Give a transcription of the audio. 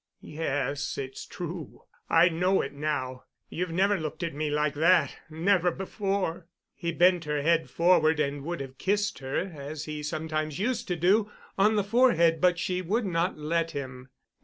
"Yes, it's true. I know it now. You've never looked at me like that—never before." He bent her head forward and would have kissed her—as he sometimes used to do—on the forehead—but she would not let him.